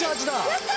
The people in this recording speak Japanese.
やった！